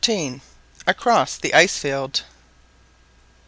ACROSS THE ICE FIELD.